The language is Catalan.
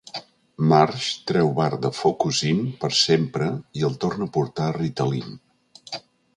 Marge treu Bart de Focusyn per sempre i el torna a portar a Ritalin.